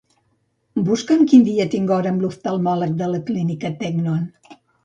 Busca'm quin dia tinc hora amb l'oftalmòleg de la Clínica Teknon.